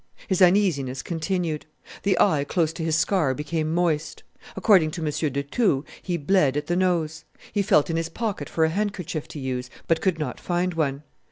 His uneasiness continued; the eye close to his scar became moist; according to M. de Thou, he bled at the nose. He felt in his pocket for a handkerchief to use, but could not find one.